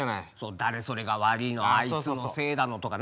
誰それが悪いのあいつのせいだのとかな。